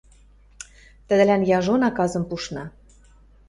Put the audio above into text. Тӹдӹлӓн яжо наказым пушна.